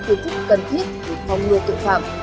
những cơ chức cần thiết để phòng ngừa tội phạm